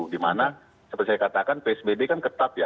dimana seperti saya katakan psbb kan ketat ya